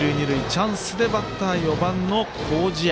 チャンスでバッター４番の麹家。